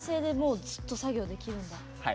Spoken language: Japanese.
あの体勢でずっと作業できるんだ。